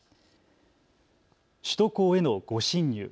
首都高への誤進入。